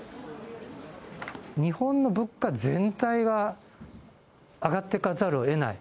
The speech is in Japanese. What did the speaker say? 日本の物価全体が上がっていかざるをえない。